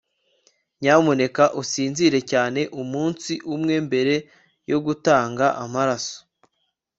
nyamuneka usinzire cyane umunsi umwe mbere yo gutanga amaraso